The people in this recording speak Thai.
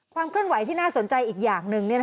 เคลื่อนไหวที่น่าสนใจอีกอย่างหนึ่ง